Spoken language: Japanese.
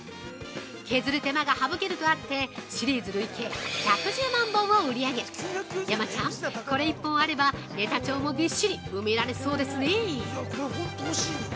削る手間が省けるとあってシリーズ累計１１０万本を売り上げ山ちゃん、これ１本あればネタ帳もびっしり埋められそうですね。